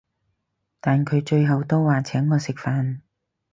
但佢最後都話請我食飯